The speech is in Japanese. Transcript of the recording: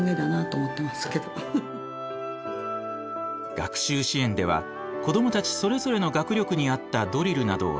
学習支援では子どもたちそれぞれの学力に合ったドリルなどを選んでいます。